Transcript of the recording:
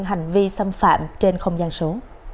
hành vi xâm phạm trên không gian số